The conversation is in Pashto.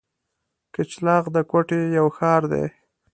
کچلاغ د کوټي یو ښار دی.